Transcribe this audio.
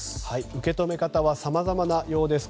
受け止め方はさまざまなようです。